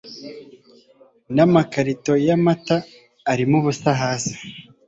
n'amakarito y'amata arimo ubusa hasi